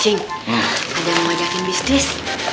cing ada yang mau ngajakin bisnis